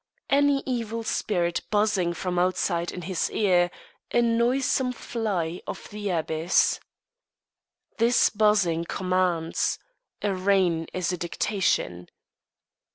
Any evil spirit buzzing from outside in his ear; a noisome fly of the abyss. This buzzing commands. A reign is a dictation.